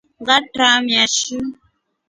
Ngatramia shi.